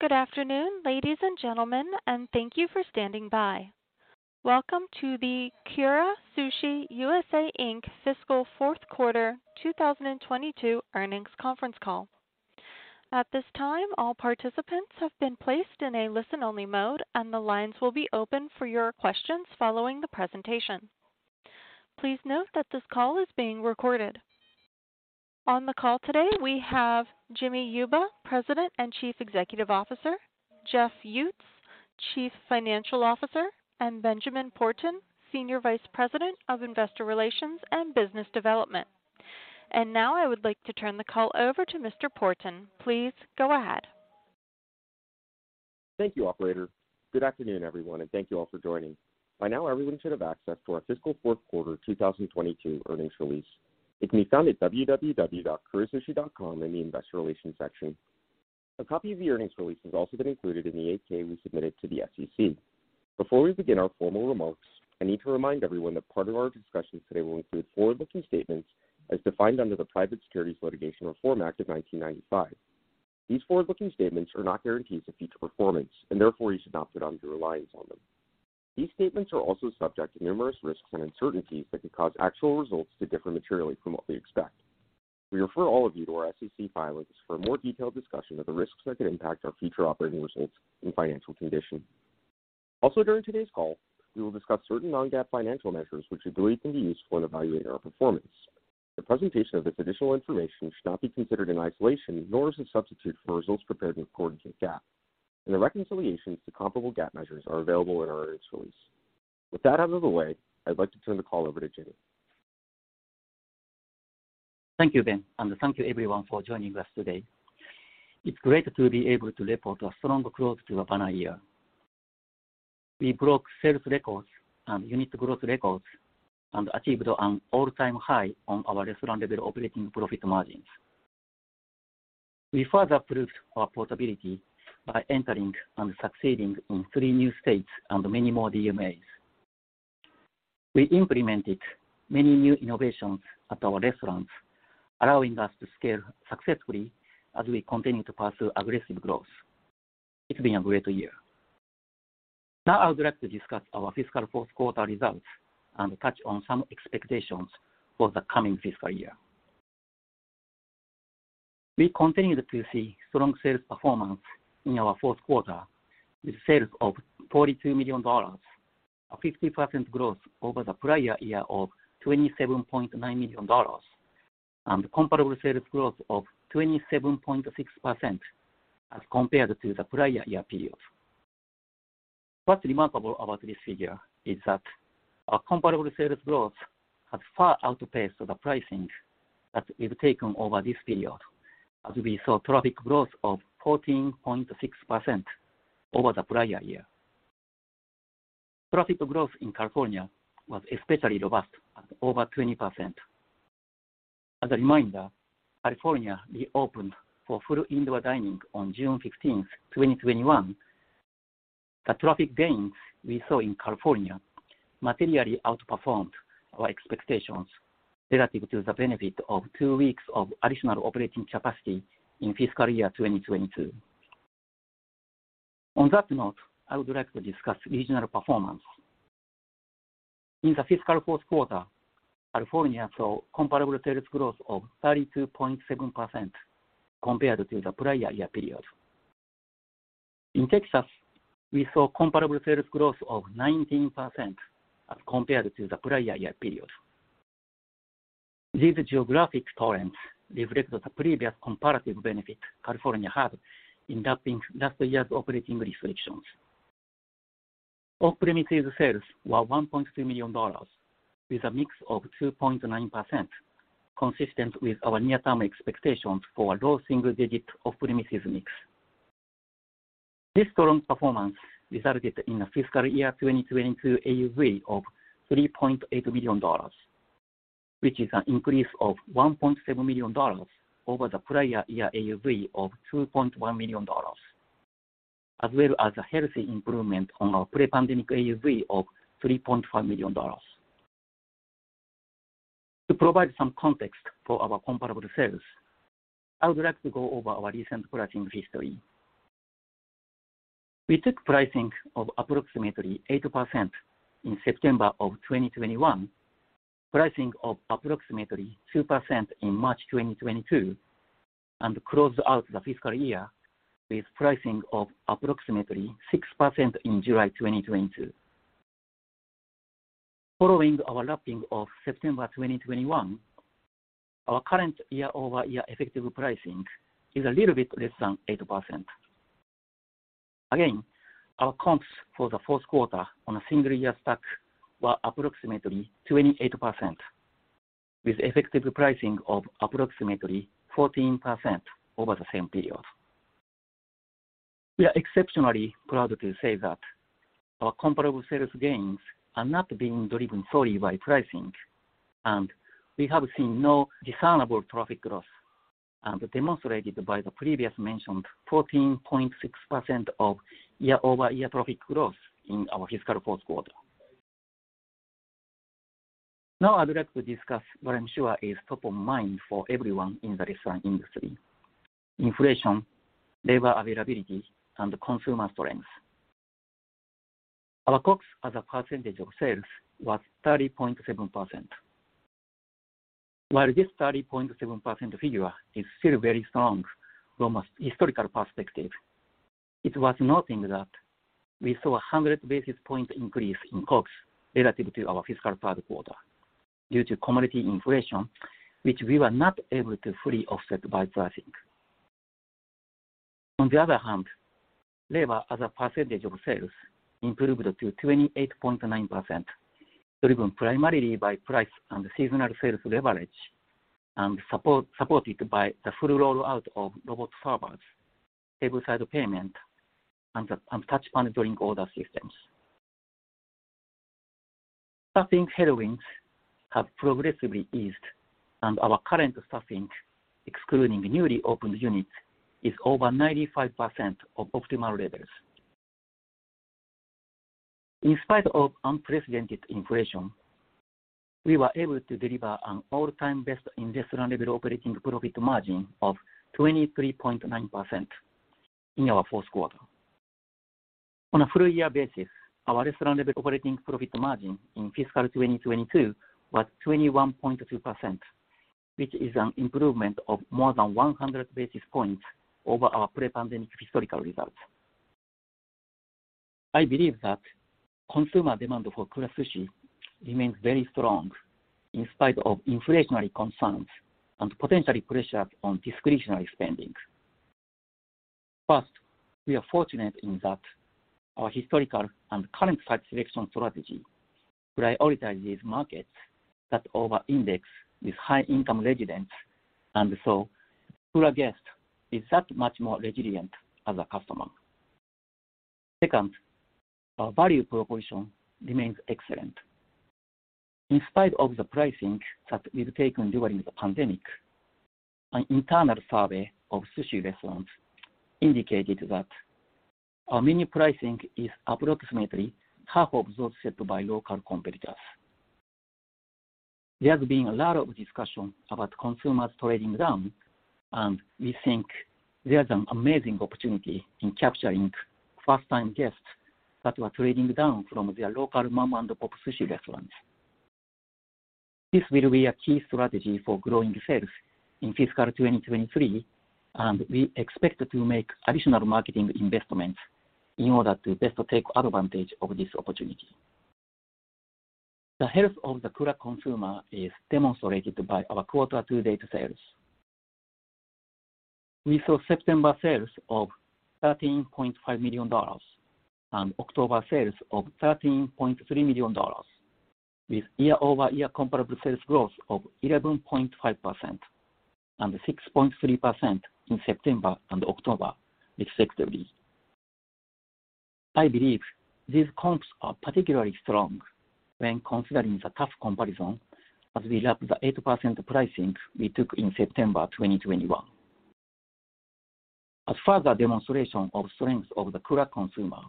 Good afternoon, ladies and gentlemen, and thank you for standing by. Welcome to the Kura Sushi USA, Inc. fiscal fourth quarter 2022 earnings conference call. At this time, all participants have been placed in a listen-only mode, and the lines will be open for your questions following the presentation. Please note that this call is being recorded. On the call today, we have Jimmy Uba, President and Chief Executive Officer, Jeff Uttz, Chief Financial Officer, and Benjamin Porten, Senior Vice President of Investor Relations and Business Development. Now I would like to turn the call over to Mr. Porten. Please go ahead. Thank you, operator. Good afternoon, everyone, and thank you all for joining. By now, everyone should have access to our fiscal fourth quarter 2022 earnings release. It can be found at www.kurasushi.com in the Investor Relations section. A copy of the earnings release has also been included in the 8-K we submitted to the SEC. Before we begin our formal remarks, I need to remind everyone that part of our discussions today will include forward-looking statements as defined under the Private Securities Litigation Reform Act of 1995. These forward-looking statements are not guarantees of future performance, and therefore, you should not put undue reliance on them. These statements are also subject to numerous risks and uncertainties that could cause actual results to differ materially from what we expect. We refer all of you to our SEC filings for a more detailed discussion of the risks that could impact our future operating results and financial condition. Also, during today's call, we will discuss certain non-GAAP financial measures, which we believe can be useful in evaluating our performance. The presentation of this additional information should not be considered in isolation, nor is it a substitute for results prepared in accordance with GAAP. The reconciliations to comparable GAAP measures are available in our earnings release. With that out of the way, I'd like to turn the call over to Jimmy. Thank you, Ben, and thank you everyone for joining us today. It's great to be able to report a strong close to a banner year. We broke sales records and unit growth records and achieved an all-time high on our restaurant-level operating profit margins. We further proved our profitability by entering and succeeding in three new states and many more DMAs. We implemented many new innovations at our restaurants, allowing us to scale successfully as we continue to pursue aggressive growth. It's been a great year. Now I would like to discuss our fiscal fourth quarter results and touch on some expectations for the coming fiscal year. We continued to see strong sales performance in our fourth quarter with sales of $42 million, a 50% growth over the prior year of $27.9 million, and comparable sales growth of 27.6% as compared to the prior year period. What's remarkable about this figure is that our comparable sales growth has far outpaced the pricing that we've taken over this period as we saw traffic growth of 14.6% over the prior year. Traffic growth in California was especially robust at over 20%. As a reminder, California reopened for full indoor dining on June 15th, 2021. The traffic gains we saw in California materially outperformed our expectations relative to the benefit of two weeks of additional operating capacity in fiscal year 2022. On that note, I would like to discuss regional performance. In the fiscal fourth quarter, California saw comparable sales growth of 32.7% compared to the prior year period. In Texas, we saw comparable sales growth of 19% as compared to the prior year period. These geographic trends reflect the previous comparative benefit California had in lapping last year's operating restrictions. Off-premises sales were $1.2 million with a mix of 2.9% consistent with our near-term expectations for low single-digit off-premises mix. This strong performance resulted in a fiscal year 2022 AUV of $3.8 million, which is an increase of $1.7 million over the prior year AUV of $2.1 million, as well as a healthy improvement on our pre-pandemic AUV of $3.5 million. To provide some context for our comparable sales, I would like to go over our recent pricing history. We took pricing of approximately 8% in September 2021, pricing of approximately 2% in March 2022, and closed out the fiscal year with pricing of approximately 6% in July 2022. Following our lapping of September 2021, our current year-over-year effective pricing is a little bit less than 8%. Again, our comps for the fourth quarter on a single-year stack were approximately 28% with effective pricing of approximately 14% over the same period. We are exceptionally proud to say that our comparable sales gains are not being driven solely by pricing, and we have seen no discernible traffic growth, as demonstrated by the previously mentioned 14.6% year-over-year traffic growth in our fiscal fourth quarter. Now I'd like to discuss what I'm sure is top of mind for everyone in the restaurant industry: inflation, labor availability, and consumer strength. Our COGS as a percentage of sales was 30.7%. While this 30.7% figure is still very strong from a historical perspective, it's worth noting that we saw a 100 basis point increase in COGS relative to our fiscal third quarter due to commodity inflation, which we were not able to fully offset by pricing. On the other hand, labor as a percentage of sales improved to 28.9%, driven primarily by price and seasonal sales leverage, supported by the full rollout of Robot Servers, tableside payment, and touch panel drink order systems. Staffing headwinds have progressively eased, and our current staffing, excluding newly opened units, is over 95% of optimal levels. In spite of unprecedented inflation, we were able to deliver an all-time best in restaurant level operating profit margin of 23.9% in our fourth quarter. On a full year basis, our restaurant level operating profit margin in fiscal 2022 was 21.2%, which is an improvement of more than 100 basis points over our pre-pandemic historical results. I believe that consumer demand for Kura Sushi remains very strong in spite of inflationary concerns and potentially pressure on discretionary spending. First, we are fortunate in that our historical and current site selection strategy prioritizes markets that over-index with high-income residents, and so Kura guest is that much more resilient as a customer. Second, our value proposition remains excellent. In spite of the pricing that we've taken during the pandemic, an internal survey of sushi restaurants indicated that our menu pricing is approximately half of those set by local competitors. There has been a lot of discussion about consumers trading down, and we think there's an amazing opportunity in capturing first-time guests that were trading down from their local mom-and-pop sushi restaurants. This will be a key strategy for growing sales in fiscal 2023, and we expect to make additional marketing investments in order to best take advantage of this opportunity. The health of the Kura consumer is demonstrated by our quarter-to-date sales. We saw September sales of $13.5 million and October sales of $13.3 million, with year-over-year comparable sales growth of 11.5% and 6.3% in September and October respectively. I believe these comps are particularly strong when considering the tough comparison as we lap the 8% pricing we took in September 2021. A further demonstration of strength of the Kura consumer,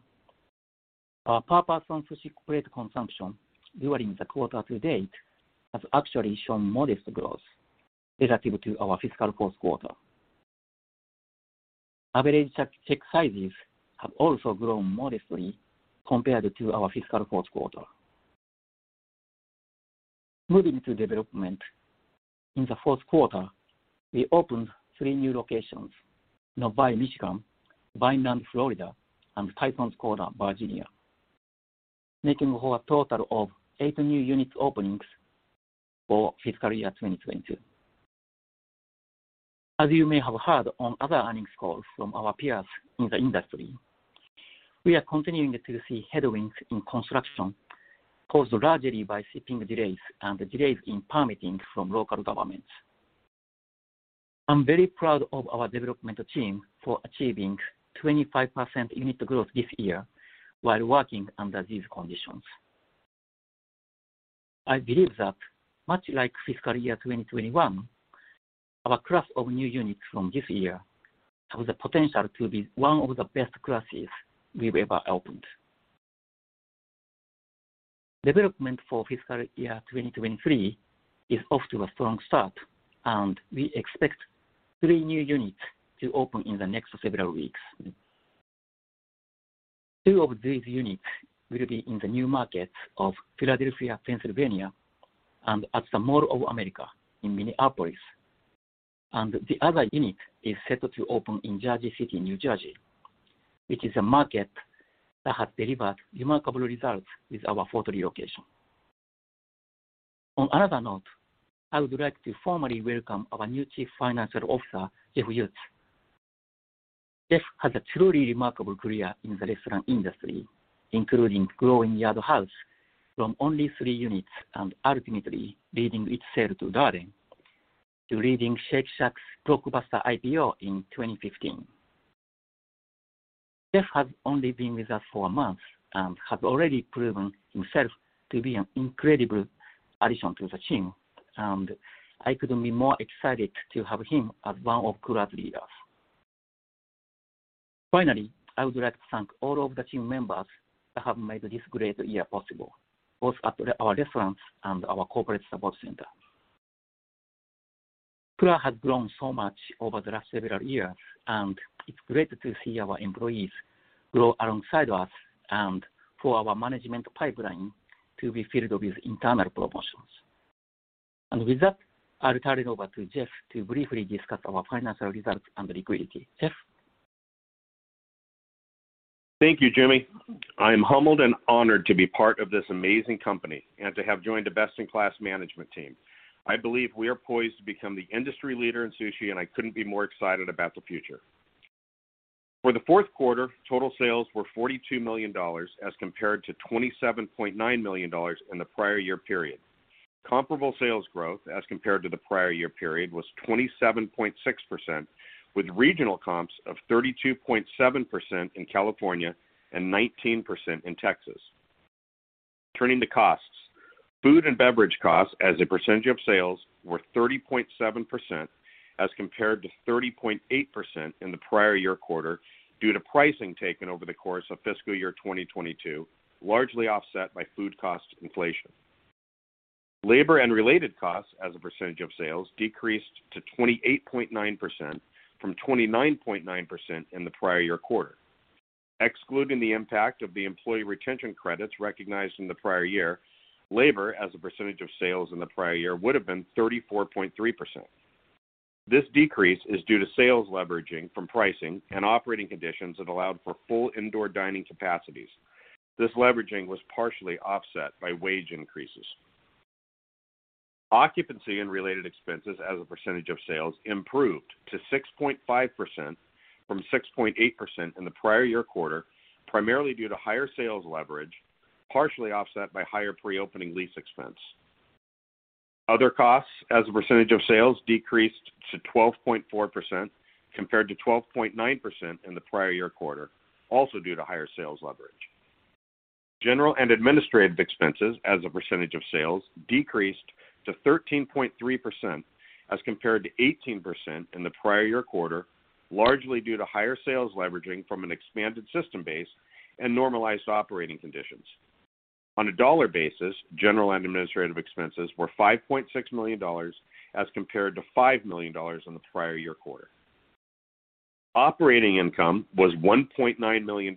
our per person sushi plate consumption during the quarter to date has actually shown modest growth relative to our fiscal fourth quarter. Average check sizes have also grown modestly compared to our fiscal fourth quarter. Moving to development. In the fourth quarter, we opened three new locations, Novi, Michigan, Vineland, Florida, and Tysons Corner, Virginia, making for a total of eight new unit openings for fiscal year 2022. As you may have heard on other earnings calls from our peers in the industry, we are continuing to see headwinds in construction caused largely by shipping delays and delays in permitting from local governments. I'm very proud of our development team for achieving 25% unit growth this year while working under these conditions. I believe that much like fiscal year 2021, our class of new units from this year have the potential to be one of the best classes we've ever opened. Development for fiscal year 2023 is off to a strong start, and we expect three new units to open in the next several weeks. Two of these units will be in the new markets of Philadelphia, Pennsylvania, and at the Mall of America in Minneapolis. The other unit is set to open in Jersey City, New Jersey, which is a market that has delivered remarkable results with our Fort Lee location. On another note, I would like to formally welcome our new chief financial officer, Jeff Uttz. Jeff has a truly remarkable career in the restaurant industry, including growing Yard House from only three units and ultimately leading its sale to Darden, to leading Shake Shack's blockbuster IPO in 2015. Jeff has only been with us for a month and has already proven himself to be an incredible addition to the team, and I couldn't be more excited to have him as one of Kura's leaders. Finally, I would like to thank all of the team members that have made this great year possible, both at our restaurants and our corporate support center. Kura has grown so much over the last several years, and it's great to see our employees grow alongside us and for our management pipeline to be filled with internal promotions. With that, I'll turn it over to Jeff to briefly discuss our financial results and liquidity. Jeff? Thank you, Jimmy. I am humbled and honored to be part of this amazing company and to have joined a best-in-class management team. I believe we are poised to become the industry leader in sushi, and I couldn't be more excited about the future. For the fourth quarter, total sales were $42 million as compared to $27.9 million in the prior year period. Comparable sales growth as compared to the prior year period was 27.6%, with regional comps of 32.7% in California and 19% in Texas. Turning to costs. Food and beverage costs as a percentage of sales were 30.7% as compared to 30.8% in the prior year quarter due to pricing taken over the course of fiscal year 2022, largely offset by food cost inflation. Labor and related costs as a percentage of sales decreased to 28.9% from 29.9% in the prior year quarter. Excluding the impact of the Employee Retention Credits recognized in the prior year, labor as a percentage of sales in the prior year would have been 34.3%. This decrease is due to sales leveraging from pricing and operating conditions that allowed for full indoor dining capacities. This leveraging was partially offset by wage increases. Occupancy and related expenses as a percentage of sales improved to 6.5% from 6.8% in the prior year quarter, primarily due to higher sales leverage, partially offset by higher pre-opening lease expense. Other costs as a percentage of sales decreased to 12.4% compared to 12.9% in the prior year quarter, also due to higher sales leverage. General and administrative expenses as a percentage of sales decreased to 13.3% as compared to 18% in the prior year quarter, largely due to higher sales leveraging from an expanded system base and normalized operating conditions. On a dollar basis, general and administrative expenses were $5.6 million as compared to $5 million in the prior year quarter. Operating income was $1.9 million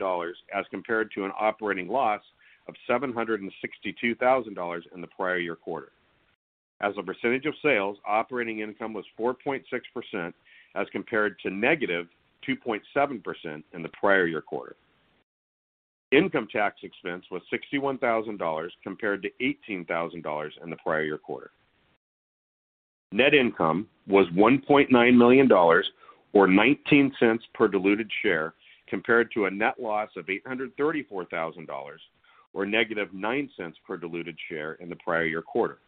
as compared to an operating loss of $762,000 in the prior year quarter. As a percentage of sales, operating income was 4.6% as compared to -2.7% in the prior year quarter. Income tax expense was $61,000 compared to $18,000 in the prior year quarter. Net income was $1.9 million or $0.19 per diluted share compared to a net loss of $834,000 or -$0.09 per diluted share in the prior year quarter.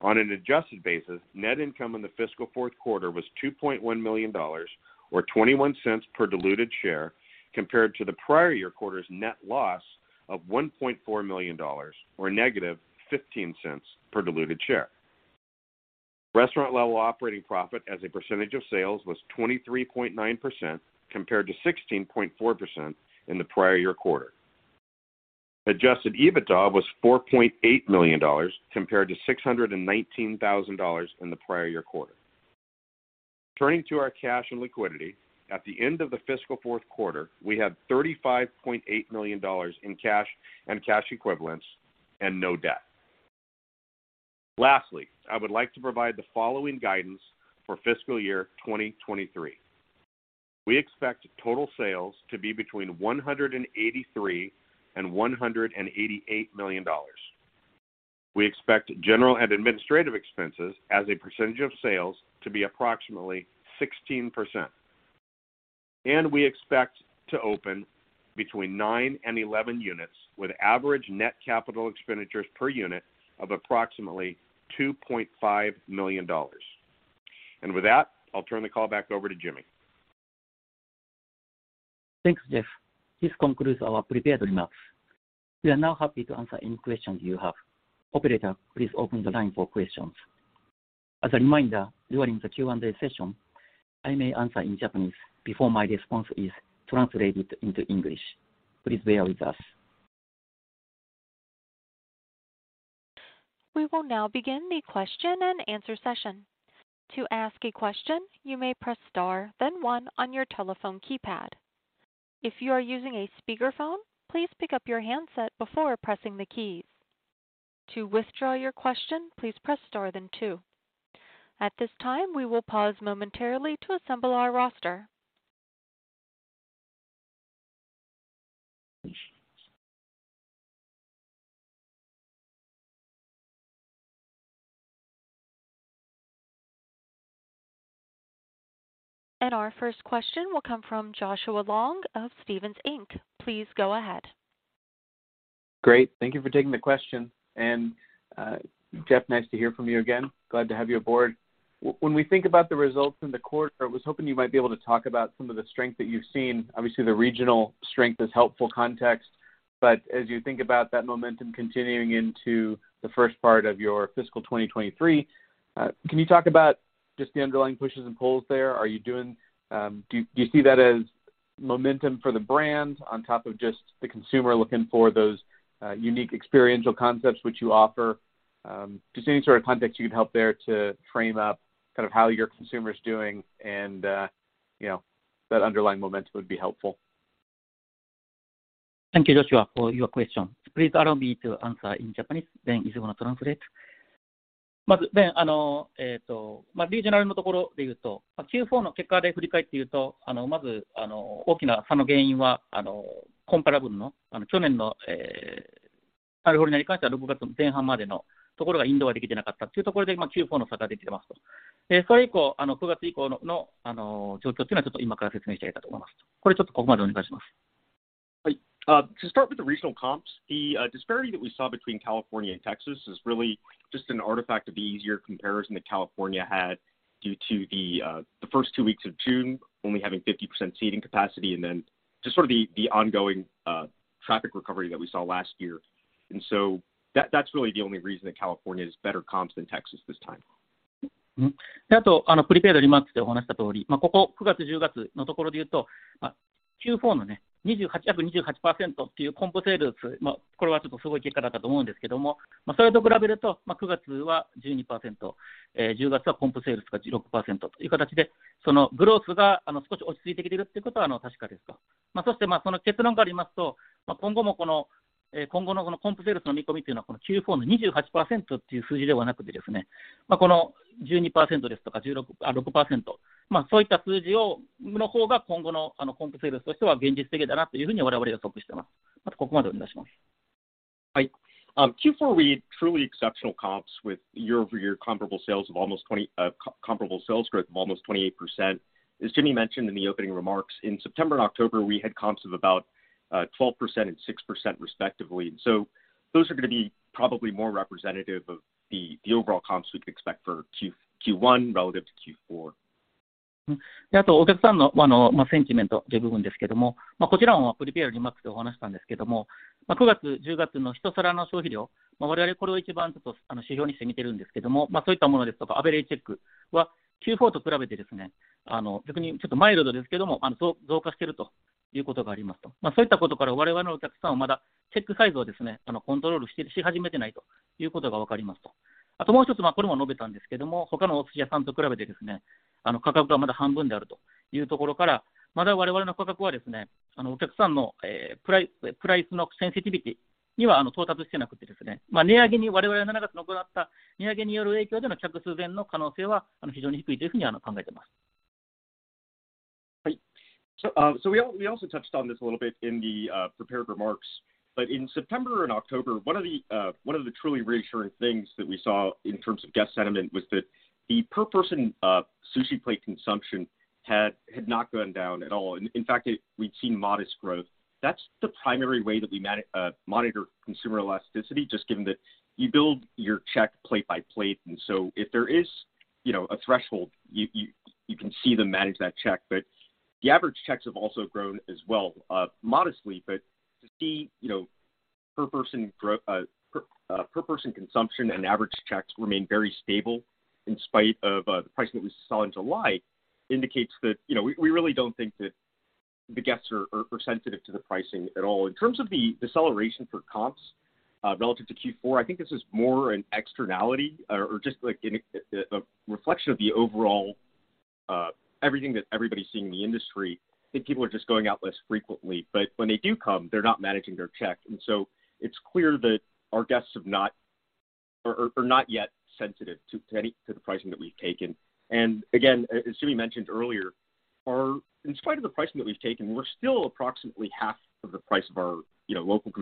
On an adjusted basis, net income in the fiscal fourth quarter was $2.1 million or $0.21 per diluted share compared to the prior year quarter's net loss of $1.4 million or -$0.15 per diluted share. Restaurant level operating profit as a percentage of sales was 23.9% compared to 16.4% in the prior year quarter. Adjusted EBITDA was $4.8 million compared to $619,000 in the prior year quarter. Turning to our cash and liquidity, at the end of the fiscal fourth quarter, we had $35.8 million in cash and cash equivalents and no debt. Lastly, I would like to provide the following guidance for fiscal year 2023. We expect total sales to be between $183 million and $188 million. We expect general and administrative expenses as a percentage of sales to be approximately 16%, and we expect to open between nine and 11 units with average net capital expenditures per unit of approximately $2.5 million. With that, I'll turn the call back over to Jimmy. Thanks, Jeff. This concludes our prepared remarks. We are now happy to answer any questions you have. Operator, please open the line for questions. As a reminder, during the Q&A session, I may answer in Japanese before my response is translated into English. Please bear with us. We will now begin the question-and-answer session. To ask a question, you may press star then one on your telephone keypad. If you are using a speakerphone, please pick up your handset before pressing the keys. To withdraw your question, please press star then two. At this time, we will pause momentarily to assemble our roster. Our first question will come from Joshua Long of Stephens, Inc. Please go ahead. Great. Thank you for taking the question. Jeff, nice to hear from you again. Glad to have you aboard. When we think about the results in the quarter, I was hoping you might be able to talk about some of the strength that you've seen. Obviously, the regional strength is helpful context. As you think about that momentum continuing into the first part of your fiscal 2023, can you talk about just the underlying pushes and pulls there? Do you see that as momentum for the brand on top of just the consumer looking for those unique experiential concepts which you offer? Just any sort of context you could help there to frame up kind of how your consumer's doing and, you know, that underlying momentum would be helpful. Thank you, Joshua, for your question. Please allow me to answer in Japanese. Ben is gonna translate. To start with the regional comps, the disparity that we saw between California and Texas is really just an artifact of the easier comparison that California had due to the first two weeks of June only having 50% seating capacity and then just sort of the ongoing traffic recovery that we saw last year. That's really the only reason that California has better comps than Texas this time. Q4, we had truly exceptional comps with year-over-year comparable sales growth of almost 28%. As Jimmy mentioned in the opening remarks, in September and October, we had comps of about 12% and 6% respectively. Those are gonna be probably more representative of the overall comps we could expect for Q1 relative to Q4. We also touched on this a little bit in the prepared remarks, but in September and October, one of the truly reassuring things that we saw in terms of guest sentiment was that the per person sushi plate consumption had not gone down at all. In fact, it, we'd seen modest growth. That's the primary way that we monitor consumer elasticity, just given that you build your check plate by plate. If there is, you know, a threshold, you can see them manage that check. The average checks have also grown as well, modestly. To see, you know, per person growth, per person consumption and average checks remain very stable in spite of the pricing that we saw in July indicates that, you know, we really don't think that the guests are sensitive to the pricing at all. In terms of the deceleration for comps relative to Q4, I think this is more an externality or just like a reflection of the overall everything that everybody's seeing in the industry. I think people are just going out less frequently, but when they do come, they're not managing their check. It's clear that our guests have not or are not yet sensitive to the pricing that we've taken. Again, as Jimmy mentioned earlier, in spite of the pricing that we've taken, we're still approximately half of the price of our, you know, local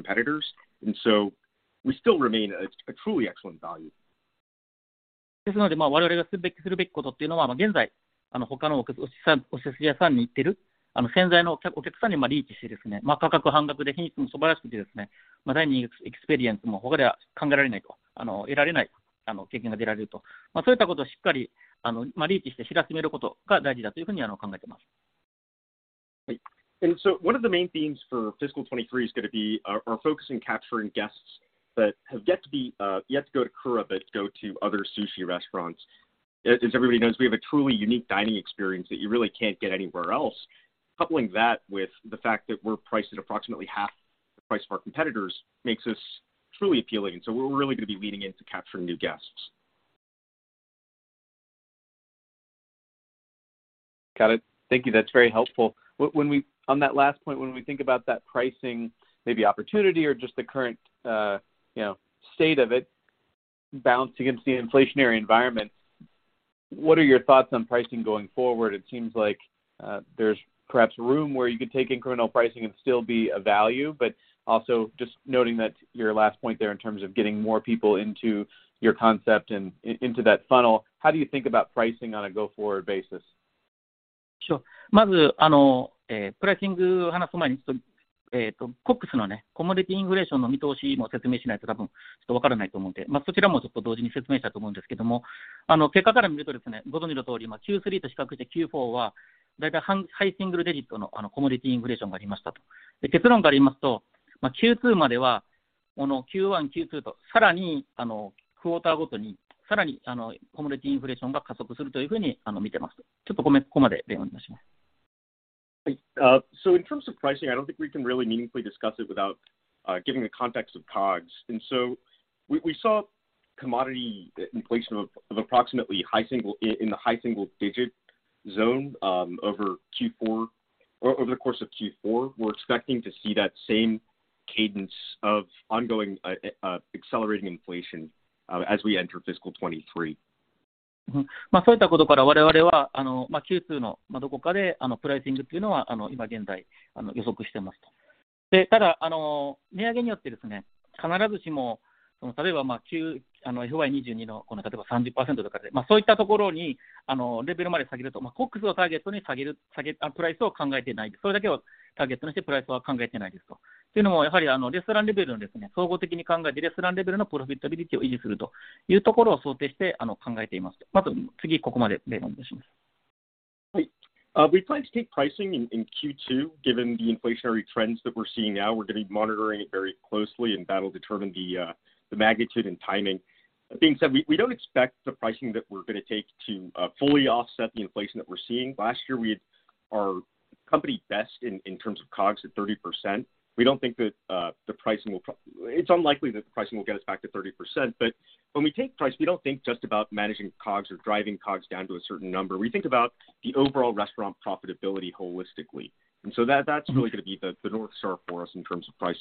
competitors. We still remain a truly excellent value. One of the main themes for fiscal 2023 is gonna be our focus in capturing guests that have yet to go to Kura but go to other sushi restaurants. As everybody knows, we have a truly unique dining experience that you really can't get anywhere else. Coupling that with the fact that we're priced at approximately half the price of our competitors makes us truly appealing. We're really gonna be leaning in to capturing new guests. Got it. Thank you. That's very helpful. On that last point, when we think about that pricing, maybe opportunity or just the current, you know, state of it balanced against the inflationary environment, what are your thoughts on pricing going forward? It seems like, there's perhaps room where you could take incremental pricing and still be a value, but also just noting that your last point there in terms of getting more people into your concept and into that funnel, how do you think about pricing on a go forward basis? Sure. In terms of pricing, I don't think we can really meaningfully discuss it without giving the context of COGS. We saw commodity inflation of approximately high single-digit zone over Q4 or over the course of Q4. We're expecting to see that same cadence of ongoing accelerating inflation as we enter fiscal 2023. We plan to take pricing in Q2, given the inflationary trends that we're seeing now. We're gonna be monitoring it very closely, and that'll determine the magnitude and timing. That being said, we don't expect the pricing that we're gonna take to fully offset the inflation that we're seeing. Last year, we had our company's best in terms of COGS at 30%. We don't think that the pricing will. It's unlikely that the pricing will get us back to 30%. When we take price, we don't think just about managing COGS or driving COGS down to a certain number. We think about the overall restaurant profitability holistically. That's really gonna be the North Star for us in terms of price.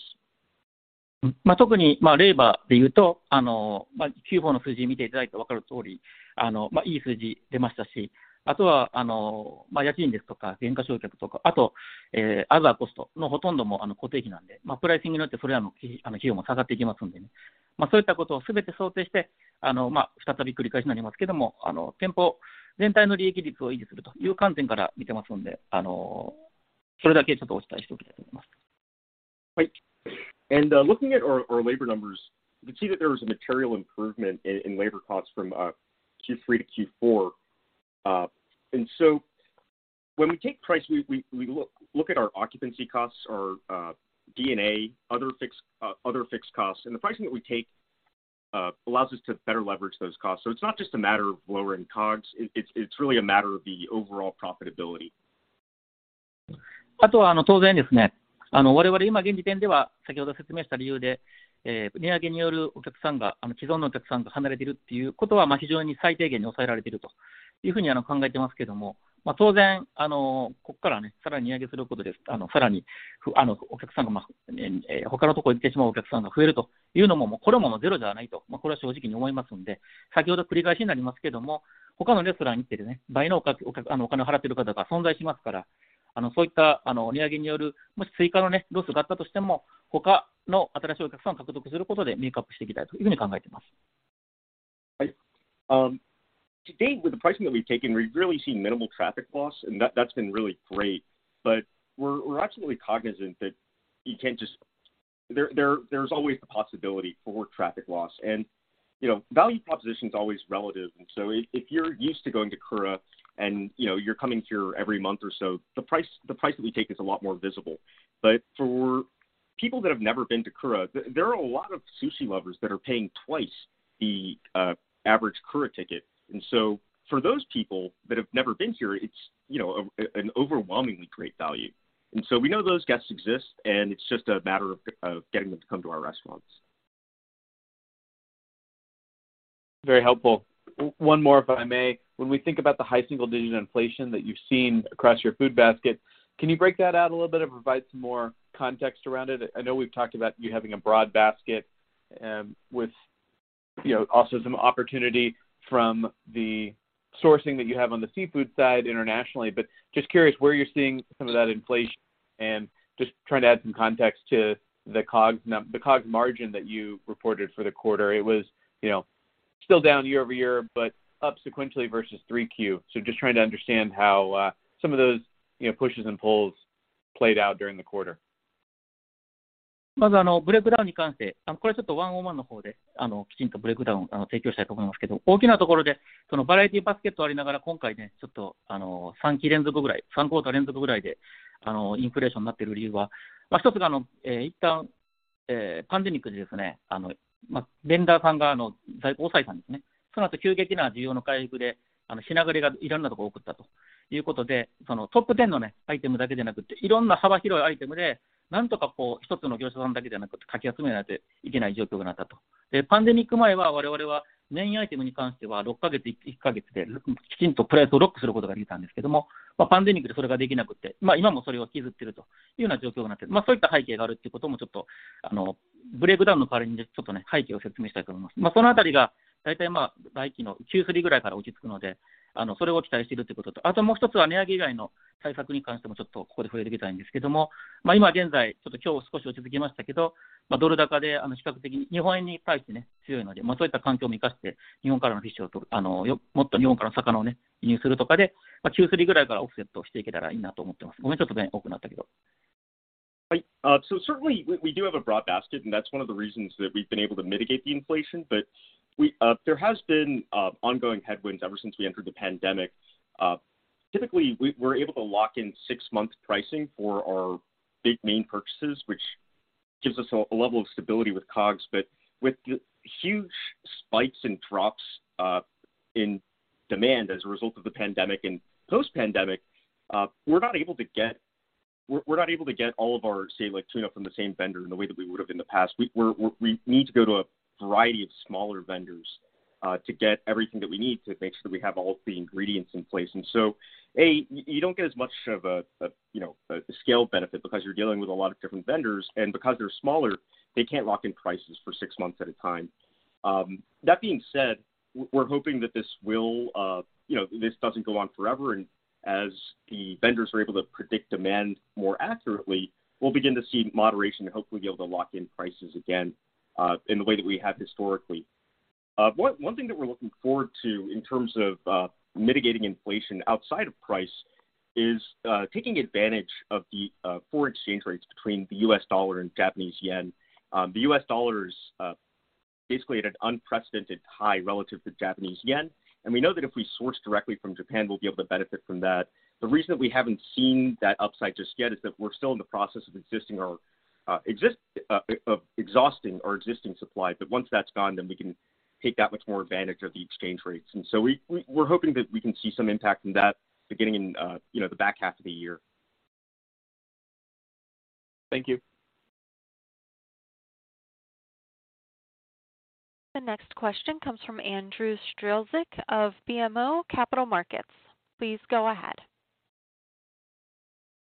Looking at our labor numbers, you can see that there was a material improvement in labor costs from Q3 to Q4. When we take price, we look at our occupancy costs, our D&A, other fixed costs. The pricing that we take allows us to better leverage those costs. It's not just a matter of lowering COGS. It's really a matter of the overall profitability. To date with the pricing that we've taken, we've really seen minimal traffic loss, and that's been really great. We're absolutely cognizant that there's always the possibility for traffic loss. You know, value proposition is always relative. If you're used to going to Kura and, you know, you're coming here every month or so, the price that we take is a lot more visible. For people that have never been to Kura, there are a lot of sushi lovers that are paying twice the average Kura ticket. For those people that have never been here, it's, you know, an overwhelmingly great value. We know those guests exist, and it's just a matter of getting them to come to our restaurants. Very helpful. One more, if I may. When we think about the high single-digit inflation that you've seen across your food basket, can you break that out a little bit or provide some more context around it? I know we've talked about you having a broad basket, with, you know, also some opportunity from the sourcing that you have on the seafood side internationally. But just curious where you're seeing some of that inflation and just trying to add some context to the COGS margin that you reported for the quarter. It was, you know, still down year-over-year, but up sequentially versus 3Q. Just trying to understand how, some of those, you know, pushes and pulls played out during the quarter. Certainly we do have a broad basket, and that's one of the reasons that we've been able to mitigate the inflation. There has been ongoing headwinds ever since we entered the pandemic. Typically, we're able to lock in six-month pricing for our big main purchases, which gives us a level of stability with COGS. With the huge spikes and drops in demand as a result of the pandemic and post-pandemic, we're not able to get all of our, say, like tuna from the same vendor in the way that we would have in the past. We need to go to a variety of smaller vendors to get everything that we need to make sure we have all the ingredients in place. You don't get as much of a, you know, a scale benefit because you're dealing with a lot of different vendors, and because they're smaller, they can't lock in prices for six months at a time. That being said, we're hoping that this doesn't go on forever. As the vendors are able to predict demand more accurately, we'll begin to see moderation and hopefully be able to lock in prices again, in the way that we have historically. One thing that we're looking forward to in terms of mitigating inflation outside of price is taking advantage of the foreign exchange rates between the U.S. dollar and Japanese yen. The U.S. Dollar is basically at an unprecedented high relative to Japanese yen. We know that if we source directly from Japan, we'll be able to benefit from that. The reason that we haven't seen that upside just yet is that we're still in the process of exhausting our existing supply. Once that's gone, then we can take that much more advantage of the exchange rates. We're hoping that we can see some impact from that beginning in the back half of the year. Thank you. The next question comes from Andrew Strelzik of BMO Capital Markets. Please go ahead.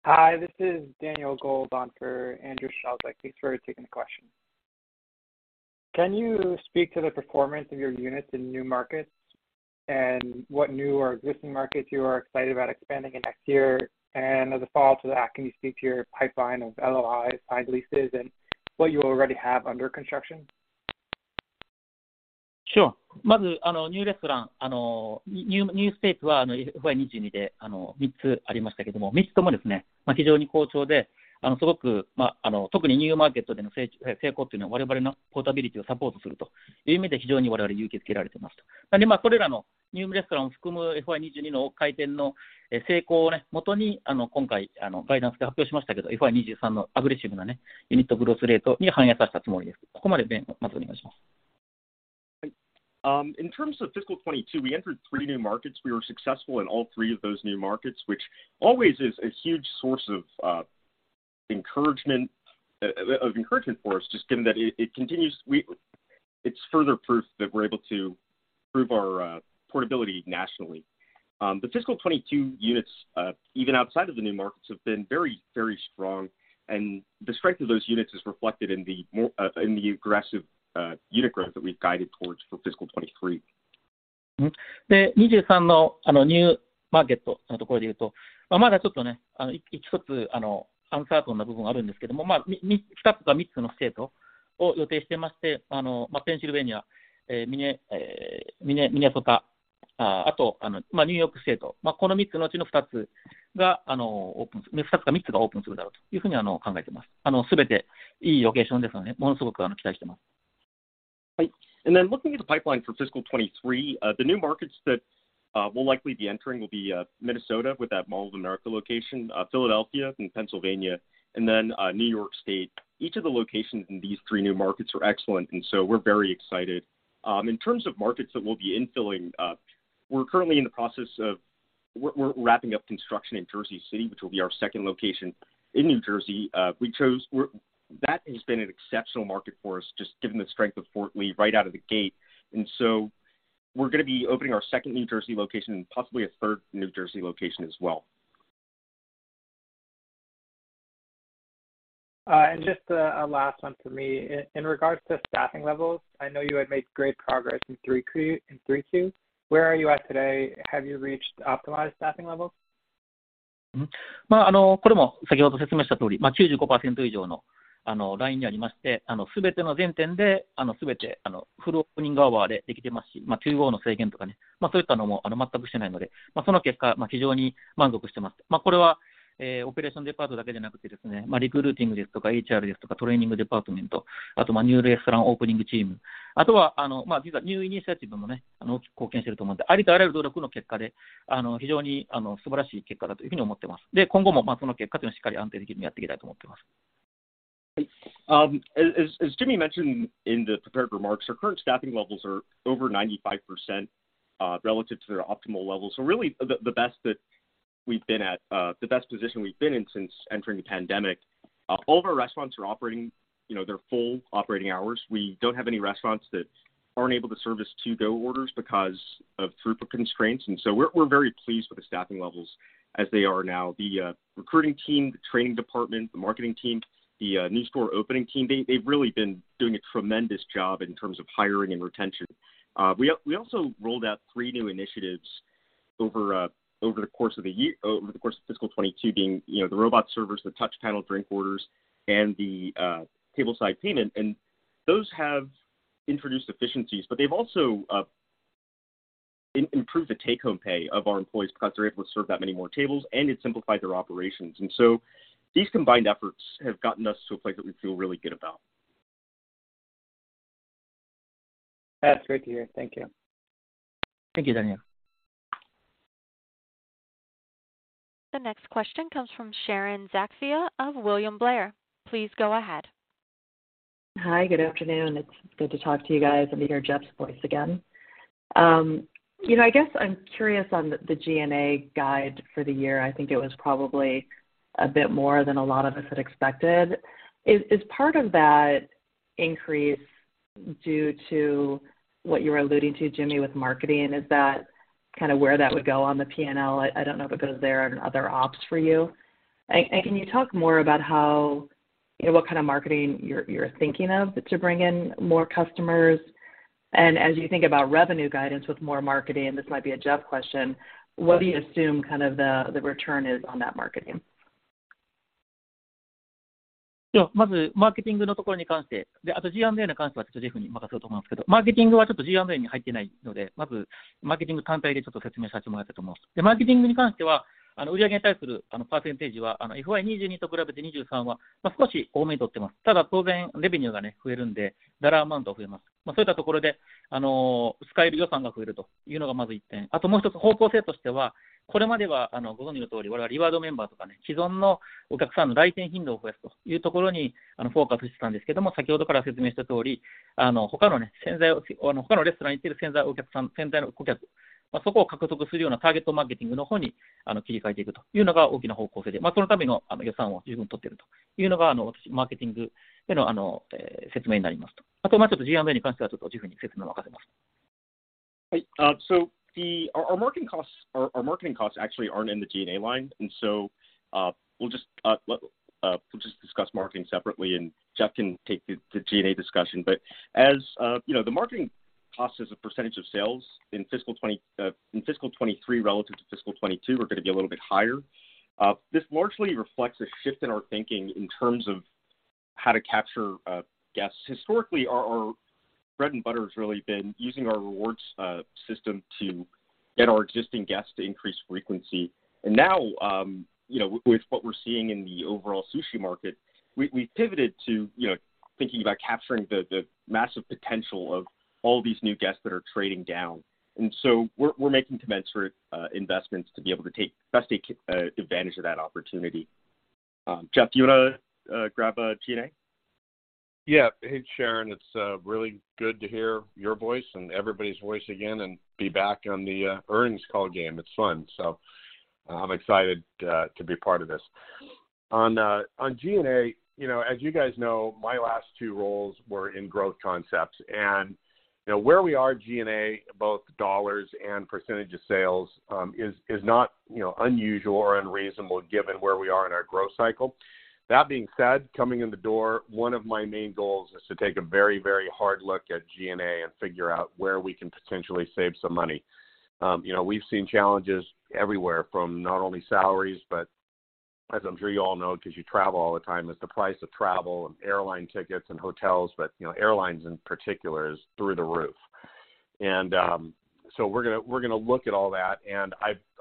Hi, this is Daniel Gold on for Andrew Strelzik. Thanks for taking the question. Can you speak to the performance of your units in new markets, and what new or existing markets you are excited about expanding in next year? As a follow-up to that, can you speak to your pipeline of LOIs, signed leases, and what you already have under construction? Sure. In terms of fiscal 2022, we entered three new markets. We were successful in all three of those new markets, which always is a huge source of encouragement for us, just given that it continues. It's further proof that we're able to prove our portability nationally. The fiscal 2022 units, even outside of the new markets, have been very strong. The strength of those units is reflected in the more aggressive unit growth that we've guided towards for fiscal 2023. Looking at the pipeline for fiscal 2023, the new markets that we'll likely be entering will be Minnesota with that Mall of America location, Philadelphia in Pennsylvania, and then New York State. Each of the locations in these three new markets are excellent, and so we're very excited. In terms of markets that we'll be infilling, we're currently in the process of wrapping up construction in Jersey City, which will be our second location in New Jersey. That has been an exceptional market for us, just given the strength of Fort Lee right out of the gate. We're gonna be opening our second New Jersey location and possibly a third New Jersey location as well. Just a last one for me. In regards to staffing levels, I know you had made great progress in three Q. Where are you at today? Have you reached optimized staffing levels? As Jimmy mentioned in the prepared remarks, our current staffing levels are over 95%, relative to their optimal levels. Really the best position we've been in since entering the pandemic. All of our restaurants are operating, you know, their full operating hours. We don't have any restaurants that aren't able to service to-go orders because of throughput constraints, and so we're very pleased with the staffing levels as they are now. The recruiting team, the training department, the marketing team, the new store opening team, they've really been doing a tremendous job in terms of hiring and retention. We also rolled out three new initiatives over the course of fiscal 2022, you know, the Robot Servers, the Touch Panel Drink Orders, and the tableside payment. Those have introduced efficiencies, but they've also improved the take-home pay of our employees because they're able to serve that many more tables, and it simplified their operations. These combined efforts have gotten us to a place that we feel really good about. That's great to hear. Thank you. Thank you, Daniel. The next question comes from Sharon Zackfia of William Blair. Please go ahead. Hi. Good afternoon. It's good to talk to you guys and to hear Jeff's voice again. You know, I guess I'm curious on the G&A guide for the year. I think it was probably a bit more than a lot of us had expected. Is part of that increase due to what you were alluding to, Jimmy, with marketing? Is that kinda where that would go on the P&L? I don't know if it goes there or in other ops for you. Can you talk more about how, you know, what kind of marketing you're thinking of to bring in more customers? As you think about revenue guidance with more marketing, this might be a Jeff question, what do you assume kind of the return is on that marketing? Our marketing costs actually aren't in the G&A line. We'll just discuss marketing separately and Jeff can take the G&A discussion. As you know, the marketing cost as a percentage of sales in fiscal 2023 relative to fiscal 2022 are gonna be a little bit higher. This largely reflects a shift in our thinking in terms of how to capture guests. Historically, our bread and butter has really been using our rewards system to get our existing guests to increase frequency. Now, you know, with what we're seeing in the overall sushi market, we pivoted to, you know, thinking about capturing the massive potential of all these new guests that are trading down. We're making commensurate investments to be able to take best advantage of that opportunity. Jeff, do you wanna grab G&A? Yeah. Hey, Sharon. It's really good to hear your voice and everybody's voice again and be back on the earnings call game. It's fun. I'm excited to be part of this. On G&A, you know, as you guys know, my last two roles were in growth concepts. You know, where we are G&A, both dollars and percentage of sales, is not unusual or unreasonable given where we are in our growth cycle. That being said, coming in the door, one of my main goals is to take a very, very hard look at G&A and figure out where we can potentially save some money. You know, we've seen challenges everywhere from not only salaries, but as I'm sure you all know because you travel all the time, is the price of travel and airline tickets and hotels. You know, airlines in particular is through the roof. We're gonna look at all that.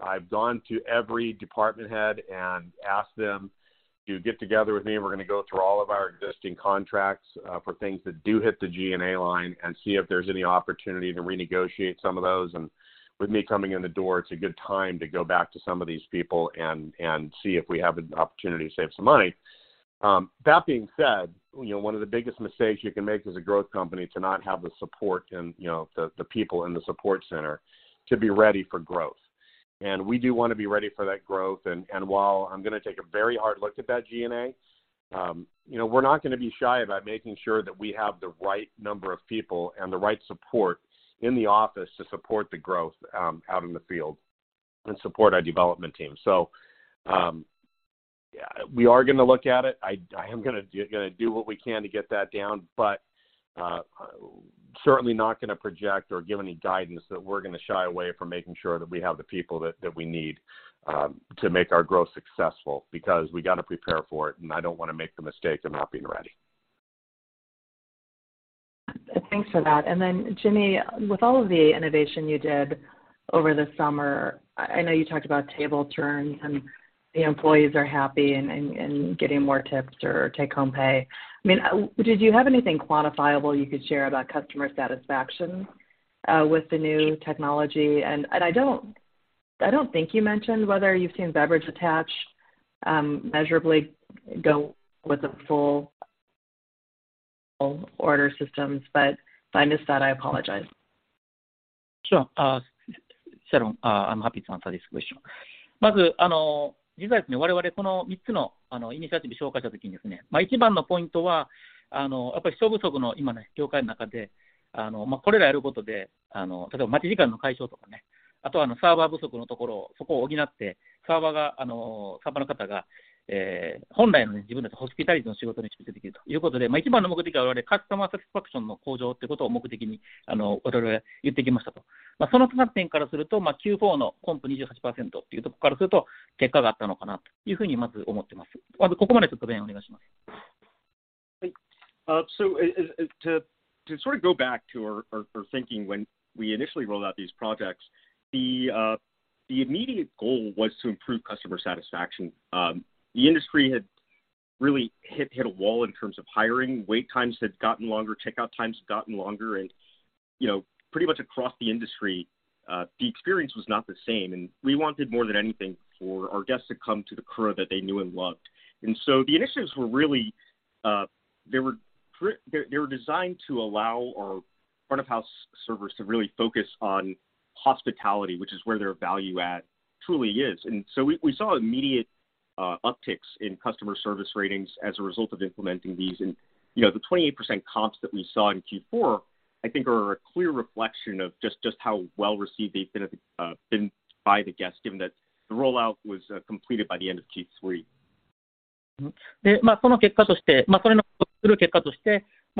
I've gone to every department head and asked them to get together with me, and we're gonna go through all of our existing contracts for things that do hit the G&A line and see if there's any opportunity to renegotiate some of those. With me coming in the door, it's a good time to go back to some of these people and see if we have an opportunity to save some money. That being said, you know, one of the biggest mistakes you can make as a growth company to not have the support and the people in the support center to be ready for growth. We do wanna be ready for that growth. While I'm gonna take a very hard look at that G&A, you know, we're not gonna be shy about making sure that we have the right number of people and the right support in the office to support the growth out in the field and support our development team. Yeah, we are gonna look at it. I am gonna do what we can to get that down, but certainly not gonna project or give any guidance that we're gonna shy away from making sure that we have the people that we need to make our growth successful because we got to prepare for it, and I don't wanna make the mistake of not being ready. Thanks for that. Then Jimmy, with all of the innovation you did over the summer, I know you talked about table turns and the employees are happy and getting more tips or take home pay. I mean, did you have anything quantifiable you could share about customer satisfaction with the new technology? I don't think you mentioned whether you've seen beverage attach measurably go with the full order systems, but if I missed that, I apologize. Sure. Sharon, I'm happy to answer this question. To sort of go back to our thinking when we initially rolled out these projects, the immediate goal was to improve customer satisfaction. The industry had really hit a wall in terms of hiring. Wait times had gotten longer, checkout times had gotten longer. You know, pretty much across the industry, the experience was not the same. We wanted more than anything for our guests to come to the Kura that they knew and loved. The initiatives were really designed to allow our front of house servers to really focus on hospitality, which is where their value add truly is. We saw immediate upticks in customer service ratings as a result of implementing these. You know, the 28% comps that we saw in Q4, I think are a clear reflection of just how well received they've been by the guests, given that the rollout was completed by the end of Q3.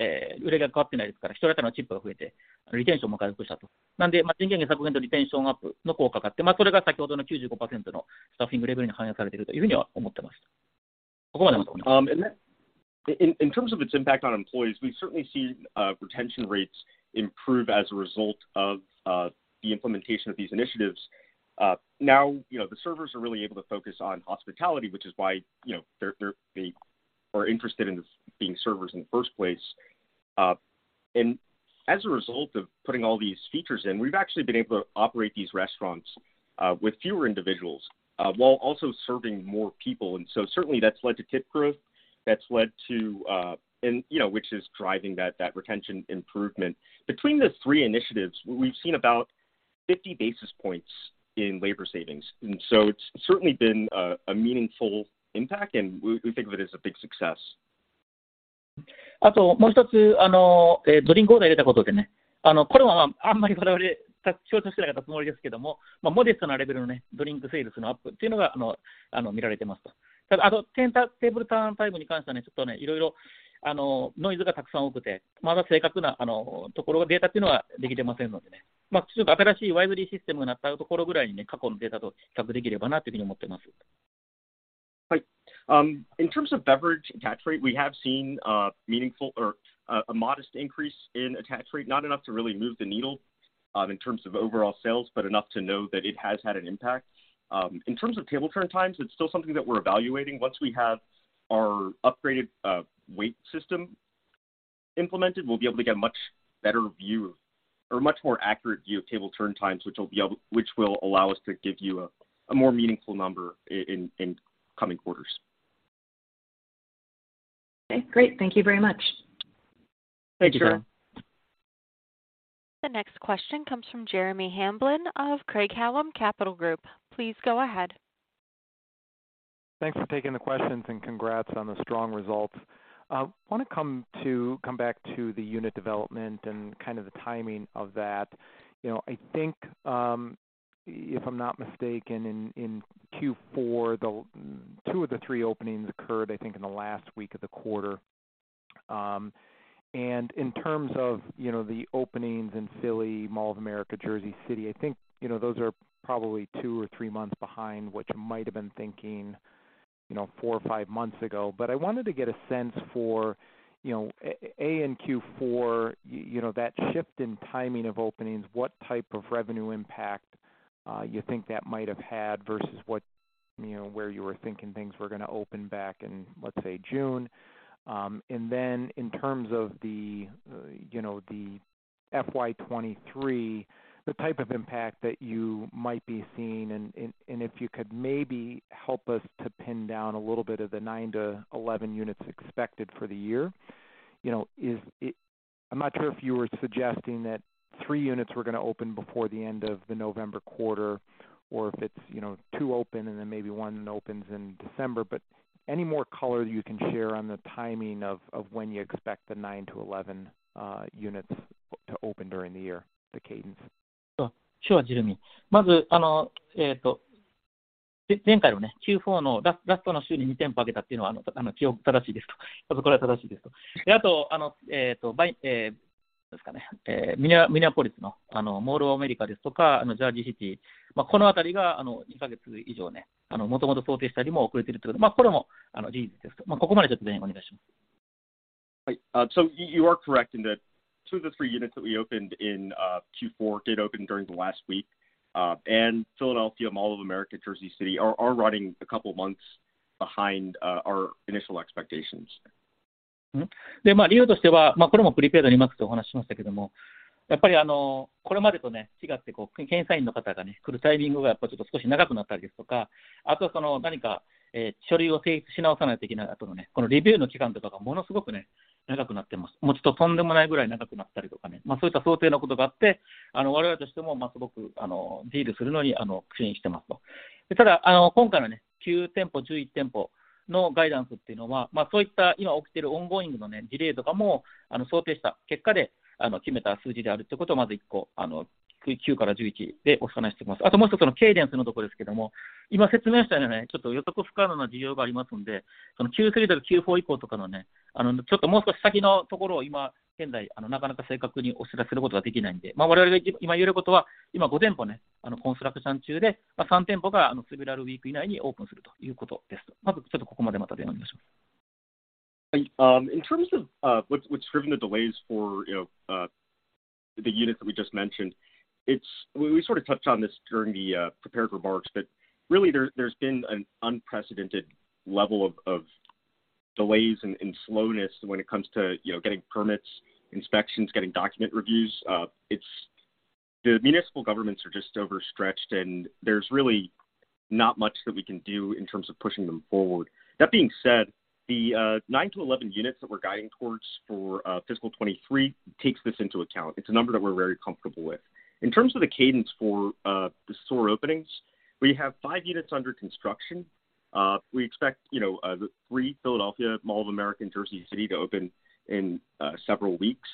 In terms of its impact on employees, we've certainly seen retention rates improve as a result of the implementation of these initiatives. Now, you know, the servers are really able to focus on hospitality, which is why, you know, they are interested in being servers in the first place. As a result of putting all these features in, we've actually been able to operate these restaurants with fewer individuals while also serving more people. Certainly that's led to tip growth. That's led to, you know, which is driving that retention improvement. Between the three initiatives, we've seen about 50 basis points in labor savings. It's certainly been a meaningful impact, and we think of it as a big success. In terms of beverage attach rate, we have seen a modest increase in attach rate, not enough to really move the needle in terms of overall sales, but enough to know that it has had an impact. In terms of table turn times, it's still something that we're evaluating. Once we have our upgraded wait system implemented, we'll be able to get a much better view or a much more accurate view of table turn times, which will allow us to give you a more meaningful number in coming quarters. Okay, great. Thank you very much. Thank you, Sharon Zackfia. The next question comes from Jeremy Hamblin of Craig-Hallum Capital Group. Please go ahead. Thanks for taking the questions and congrats on the strong results. Want to come back to the unit development and kind of the timing of that. You know, I think if I'm not mistaken in Q4, the two of the three openings occurred, I think, in the last week of the quarter. In terms of, you know, the openings in Philly, Mall of America, Jersey City, I think, you know, those are probably two or three months behind what you might have been thinking, you know, four or five months ago. I wanted to get a sense for, you know, A, in Q4, you know, that shift in timing of openings, what type of revenue impact you think that might have had versus what, you know, where you were thinking things were gonna open back in, let's say, June. In terms of the you know, the FY 2023, the type of impact that you might be seeing and if you could maybe help us to pin down a little bit of the nine to 11 units expected for the year. You know, is it, I'm not sure if you were suggesting that three units were gonna open before the end of the November quarter or if it's you know, two open and then maybe one opens in December. Any more color you can share on the timing of when you expect the nine to 11 units to open during the year, the cadence. You are correct in that two of the three units that we opened in Q4 did open during the last week. Philadelphia, Mall of America, Jersey City are running a couple months behind our initial expectations. ただ、今回の九店舗、十一店舗のガイダンスというのは、そういった今起きているongoingのディレイとかも、想定した結果で、決めた数字であるということをまず一個、九から十一でお伝えしてます。あともう一つ、そのcadenceのところですけども、今説明したように、ちょっと予測不可能な需要がありますんで、そのQ3とかQ4以降とかの、ちょっともう少し先のところを今現在、なかなか正確にお知らせすることができないんで。我々が今言えることは、今五店舗、construction中で、三店舗が、several week以内にオープンするということですと。まずちょっとここまでまたでお願いします。In terms of what's driven the delays for, you know, the units that we just mentioned. We sort of touched on this during the prepared remarks, but really there there's been an unprecedented level of delays and slowness when it comes to, you know, getting permits, inspections, getting document reviews. The municipal governments are just overstretched, and there's really not much that we can do in terms of pushing them forward. That being said, the nine to 11 units that we're guiding towards for fiscal 2023 takes this into account. It's a number that we're very comfortable with. In terms of the cadence for the store openings, we have five units under construction. We expect, you know, the three, Philadelphia, Mall of America, and Jersey City to open in several weeks.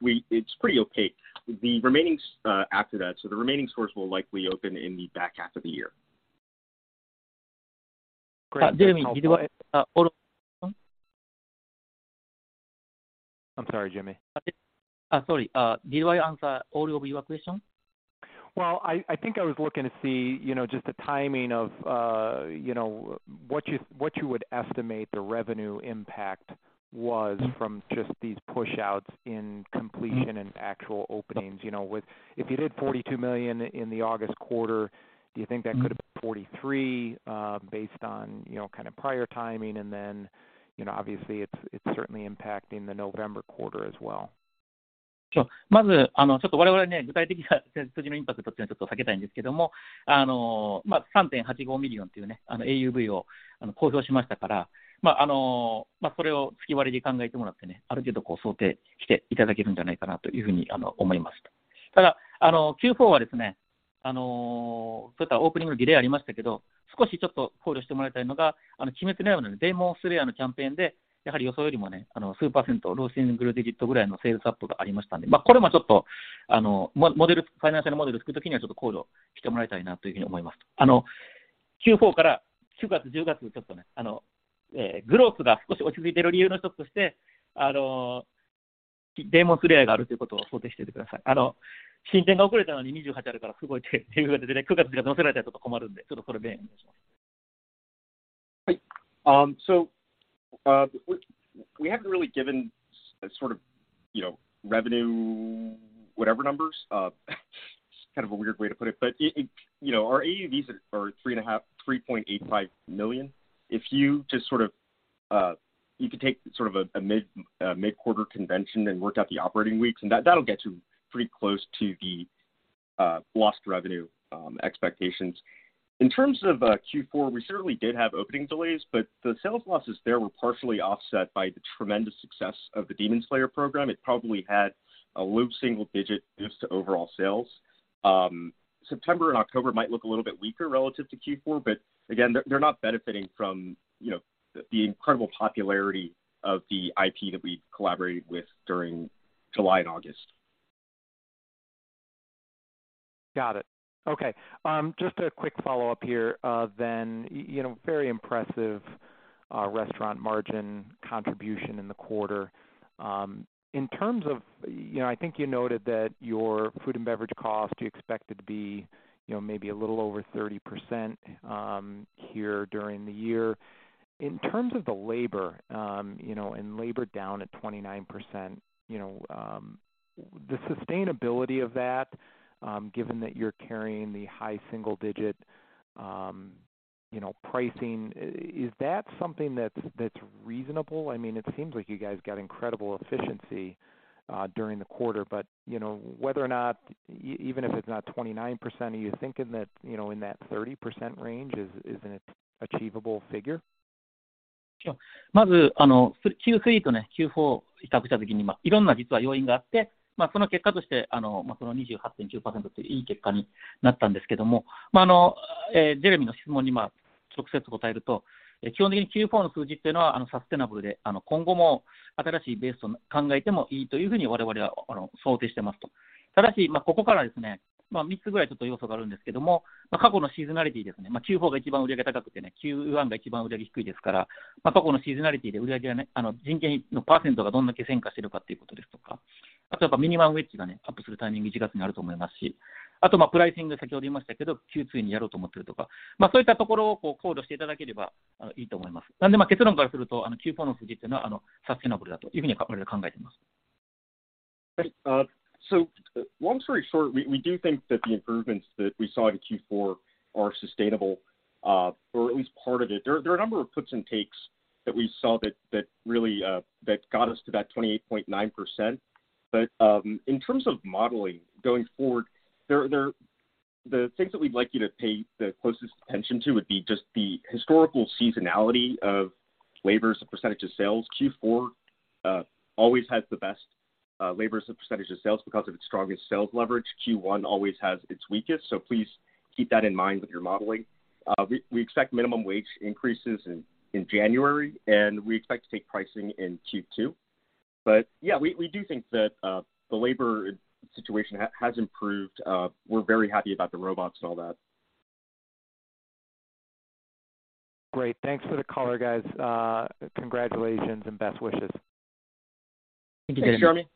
It's pretty okay. After that, so the remaining stores will likely open in the back half of the year. Jeremy, did I, all of I'm sorry, Jimmy. Sorry. Did I answer all of your question? Well, I think I was looking to see, you know, just the timing of, you know, what you would estimate the revenue impact was from just these push outs in completion and actual openings. You know, if you did $42 million in the August quarter, do you think that could have been $43 million based on, you know, kind of prior timing? Then, you know, obviously it's certainly impacting the November quarter as well. まず、具体的な数字のインパクトというのはちょっと避けたいんですけども、$3.85 millionというAUVを公表しましたから、それを月割りで考えてもらってある程度こう想定していただけるんじゃないかなというふうに思います。ただ、Q4はですね、そういったオープニングのディレイありましたけど、少しちょっと考慮してもらいたいのが、鬼滅の刃のDemon Slayerのキャンペーンで、やはり予想よりも数%、low-single-digitぐらいのsales upがありましたんで、これもちょっとフィナンシャルのモデルを作る時にはちょっと考慮してもらいたいなというふうに思います。Q4から九月、十月、ちょっとgrowthが少し落ち着いてる理由の一つとして、Demon Slayerがあるということを想定しておいてください。新店が遅れたのに二十八あるからすごいっていう感じでね、九月ぐらい載せられたらちょっと困るんで、ちょっとそれ弁えてお願いします。We haven't really given sort of, you know, revenue, whatever numbers. It's kind of a weird way to put it, but it. You know, our AUVs are $3.5-$3.85 million. If you just sort of, you could take sort of a mid-quarter convention and work out the operating weeks, and that'll get you pretty close to the lost revenue expectations. In terms of Q4, we certainly did have opening delays, but the sales losses there were partially offset by the tremendous success of the Demon Slayer program. It probably had a low-single-digit boost to overall sales. September and October might look a little bit weaker relative to Q4, but again, they're not benefiting from, you know, the incredible popularity of the IP that we collaborated with during July and August. Got it. Okay. Just a quick follow-up here, then. You know, very impressive restaurant margin contribution in the quarter. In terms of, you know, I think you noted that your food and beverage cost, you expect it to be, you know, maybe a little over 30%, here during the year. In terms of the labor, you know, and labor down at 29%, you know, the sustainability of that, given that you're carrying the high single-digit, you know, pricing, is that something that's reasonable? I mean, it seems like you guys got incredible efficiency during the quarter, but, you know, whether or not even if it's not 29%, are you thinking that, you know, in that 30% range is an achievable figure? Long story short, we do think that the improvements that we saw in Q4 are sustainable, or at least part of it. There are a number of puts and takes that we saw that really got us to that 28.9%. In terms of modeling going forward, the things that we'd like you to pay the closest attention to would be just the historical seasonality of labor as a percentage of sales. Q4 always has the best labor as a percentage of sales because of its strongest sales leverage. Q1 always has its weakest, so please keep that in mind with your modeling. We expect minimum wage increases in January, and we expect to take pricing in Q2. Yeah, we do think that the labor situation has improved. We're very happy about the robots and all that. Great. Thanks for the color, guys. Congratulations and best wishes. Thank you. Thanks, Jeremy.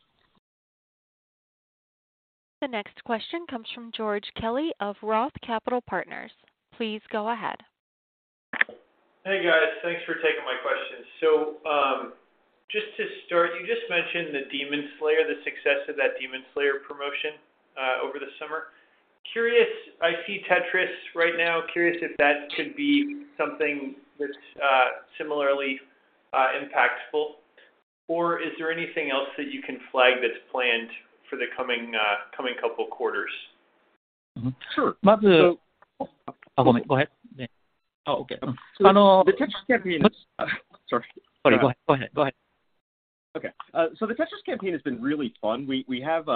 The next question comes from George Kelly of Roth Capital Partners. Please go ahead. Hey, guys. Thanks for taking my questions. Just to start, you just mentioned the Demon Slayer, the success of that Demon Slayer promotion over the summer. Curious, I see Tetris right now. Curious if that could be something that's similarly impactful. Or is there anything else that you can flag that's planned for the coming couple quarters? The Tetris campaign has been really fun. We have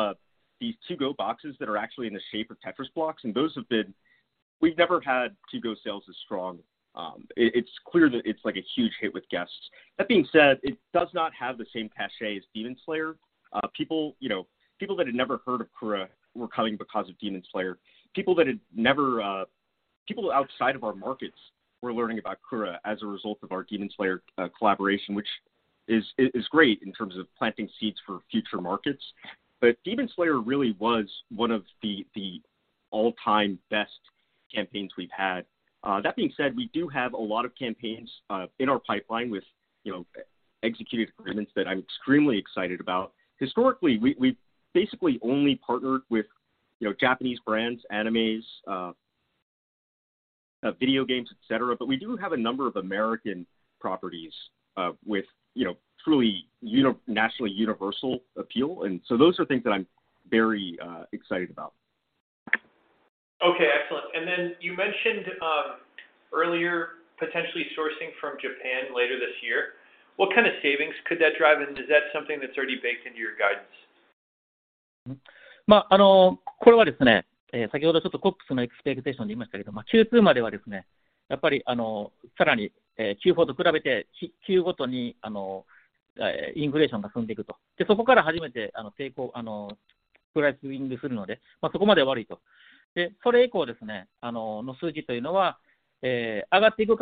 these to-go boxes that are actually in the shape of Tetris blocks, and those have been. We've never had to-go sales as strong. It's clear that it's like a huge hit with guests. That being said, it does not have the same cachet as Demon Slayer. People, you know, people that had never heard of Kura were coming because of Demon Slayer. People outside of our markets were learning about Kura as a result of our Demon Slayer collaboration, which is great in terms of planting seeds for future markets. Demon Slayer really was one of the all-time best campaigns we've had. That being said, we do have a lot of campaigns in our pipeline with, you know, executed agreements that I'm extremely excited about. Historically, we've basically only partnered with, you know, Japanese brands, animes, video games, et cetera. We do have a number of American properties with, you know, truly internationally universal appeal, and so those are things that I'm very excited about. Okay, excellent. You mentioned earlier potentially sourcing from Japan later this year. What kind of savings could that drive? Is that something that's already baked into your guidance? In terms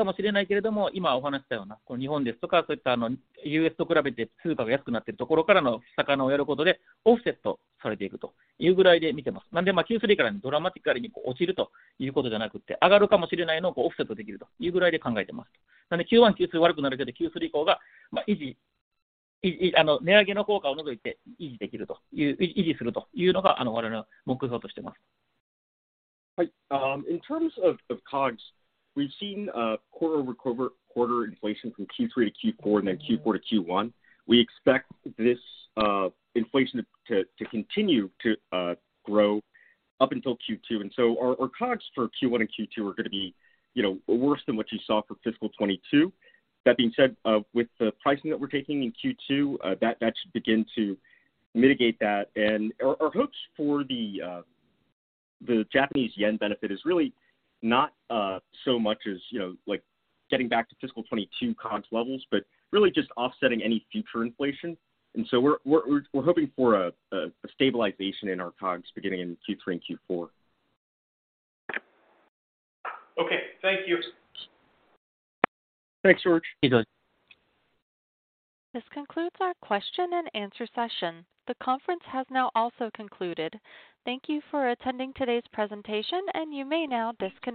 of COGS, we've seen quarter-over-quarter inflation from Q3 to Q4 and then Q4 to Q1. We expect this inflation to continue to grow up until Q2. Our COGS for Q1 and Q2 are gonna be, you know, worse than what you saw for fiscal 2022. That being said, with the pricing that we're taking in Q2, that should begin to mitigate that. Our hopes for the Japanese yen benefit is really not so much as, you know, like getting back to fiscal 2022 COGS levels, but really just offsetting any future inflation. We're hoping for a stabilization in our COGS beginning in Q3 and Q4. Okay. Thank you. Thanks, George. Okay, good. This concludes our question and answer session. The conference has now also concluded. Thank you for attending today's presentation, and you may now disconnect.